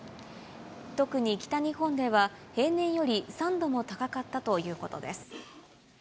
特に北日本では平年より３度も高かったということです。